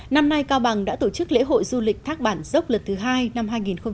năm nay cao bằng đã tổ chức lễ hội du lịch thác bản dốc lần thứ hai năm hai nghìn hai mươi